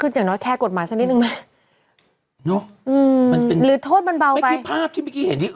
ว่าโทรธิแคกศ์กดมาสักนิดหนึ่งไหมมันเป็นหรือโทษมันเบาไป